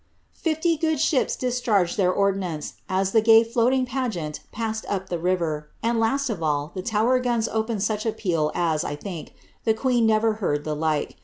^ Fifty good ships discharged their ordnance, as the gay floating pageant passed up the river, and last of all the Tower gnns opened such a peal as, 1 think, the queen never heard the like.